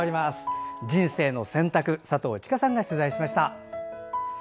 「人生の選択」佐藤千佳さんが取材しました。